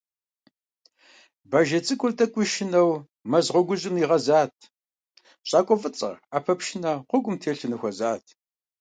Бажэ цӀыкӀур тӀэкӀуи шынэу мэз гъуэгужьым нигъэзат, щӀакӀуэ фӀыцӀэ, Ӏэпэ пшынэ гъуэгум телъу ныхуэзат.